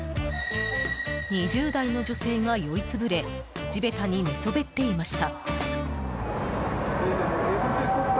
２０代の女性が酔い潰れ地べたに寝そべっていました。